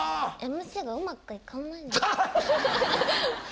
ＭＣがうまくいかない？